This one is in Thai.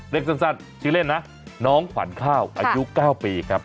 เรียกสั้นชื่อเล่นนะน้องขวัญข้าวอายุ๙ปีครับ